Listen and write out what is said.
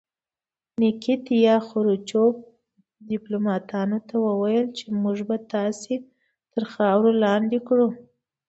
نیکیتیا خروچوف ډیپلوماتانو ته وویل چې موږ به تاسې تر خاورو لاندې کړو